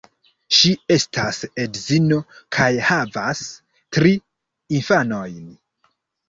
Ŝi estas edzino kaj havas tri infanojn.